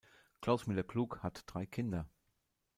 Klaus Müller-Klug hat drei Kinder.